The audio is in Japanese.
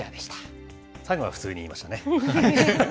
最後は普通に言いましたね。